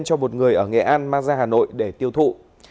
cho một người ở nghệ an mang ra hà nội để tiêu thụ